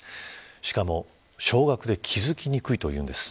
しかも少額で気付きにくいというんです。